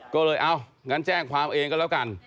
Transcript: ก็เลยเอางั้นแจ้งความเองก็แล้วกัน